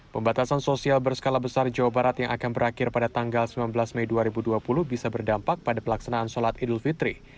pembatasan sosial berskala besar jawa barat yang akan berakhir pada tanggal sembilan belas mei dua ribu dua puluh bisa berdampak pada pelaksanaan sholat idul fitri